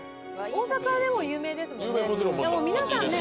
大阪でも有名ですもんね